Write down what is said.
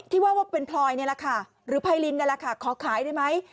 ที่ว่าว่าเป็นพลอยนี่แหละค่ะหรือไพรินนั่นแหละค่ะขอขายได้ไหม